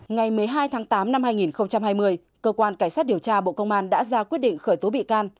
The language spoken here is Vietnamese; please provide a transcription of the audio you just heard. ngày một mươi hai tháng tám năm hai nghìn hai mươi cơ quan cảnh sát điều tra bộ công an đã ra quyết định khởi tố bị can